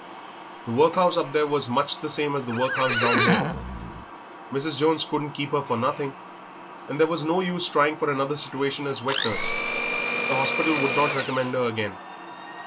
The workhouse up there was much the same as the workhouse down here. Mrs. Jones couldn't keep her for nothing, and there was no use trying for another situation as wet nurse; the hospital would not recommend her again....